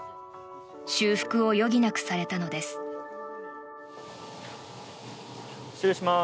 修復を余儀なくされたのです。